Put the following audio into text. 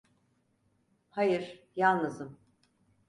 Hayır, yalnızım.